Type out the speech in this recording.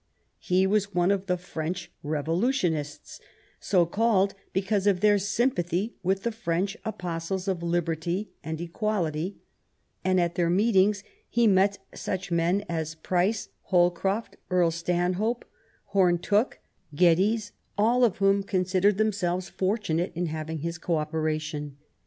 He was one of the French Revolutionists/' so called because of their sympathy with the French apostles of liberty and equa lity ; and at their meetings he met such men as Price, Holcroft, Earl Stanhope, Home Tooke, Geddes, all of whom considered themselves fortunate in having his co operation.